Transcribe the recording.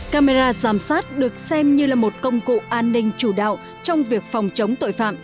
camera giám sát được xem như là một công cụ an ninh chủ đạo trong việc phòng chống tội phạm